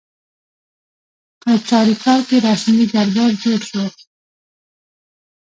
په چاریکار کې رسمي دربار جوړ شو.